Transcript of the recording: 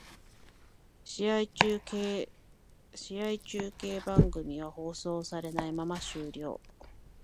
試合中継番組は放送されないまま終了